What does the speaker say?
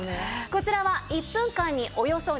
こちらは１分間におよそ２８００